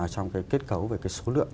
trong cái kết cấu về cái số lượng